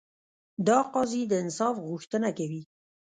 دا قاضي د انصاف غوښتنه کوي.